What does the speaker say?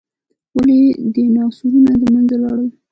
ولې ډیناسورونه له منځه لاړل؟